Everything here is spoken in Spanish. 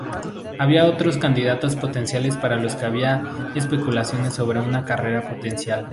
Había otros candidatos potenciales para los que había especulaciones sobre una carrera potencial.